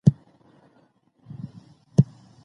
د اروزگان مرکزي ښار ترینکوټ دی.